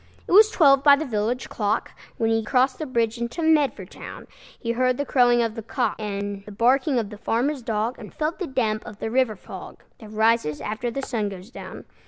It was twelve by the village clock, When he crossed the bridge into Medford town. He heard the crowing of the cock, And the barking of the farmer's dog, And felt the damp of the river fog, That rises after the sun goes down.